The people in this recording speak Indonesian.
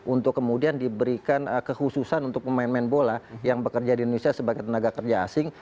untuk kemudian diberikan kehususan untuk pemain pemain bola yang bekerja di indonesia sebagai tenaga kerja asing